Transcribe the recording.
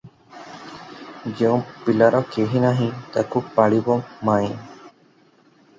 ଯେଉଁ ପିଲାର କେହି ନାହିଁ, ତାକୁ ପାଳିବ ମାଇଁ!